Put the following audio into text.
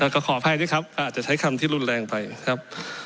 แล้วก็ขออภัยนะครับอาจจะใช้คำที่รุนแรงไปครับ